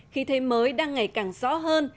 khi thế mới đang ngày càng rõ hơn